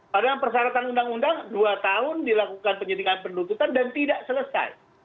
padahal persyaratan undang undang dua tahun dilakukan penyidikan penuntutan dan tidak selesai